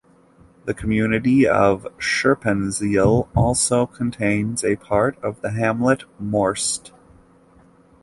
The community of Scherpenzeel also contains a part of the hamlet Moorst.